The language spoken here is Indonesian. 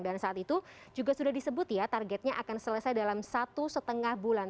dan saat itu juga sudah disebut ya targetnya akan selesai dalam satu setengah bulan